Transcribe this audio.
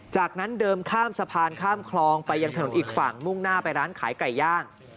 จากนั้นเดินข้ามสะพานข้ามคลองไปยังถนนอีกฝั่งมุ่งหน้าไปร้านขายไก่ย่าง